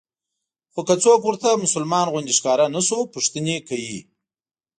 خو که څوک ورته مسلمان غوندې ښکاره نه شو پوښتنې کوي.